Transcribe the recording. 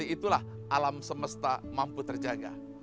itulah alam semesta mampu terjaga